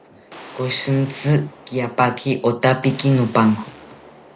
Koshintzi kiapaki otapiki nopanko